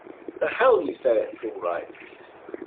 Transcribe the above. The hell you say it's all right!